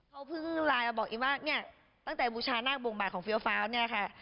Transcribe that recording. เขาเพิ่งไลน์บอกอิมว่าตั้งแต่บูชานาคบงบาทของฟีโอฟาร์นี่ค่ะ